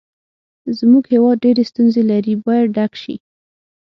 زموږ هېواد ډېرې ستونزې لري باید ډک شي.